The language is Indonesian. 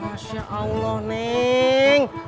masya allah neng